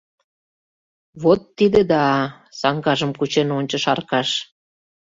— Вот тиде да! — саҥгажым кучен ончыш Аркаш.